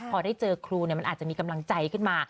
พอได้เจอครูมันอาจจะมีกำลังใจขึ้นมา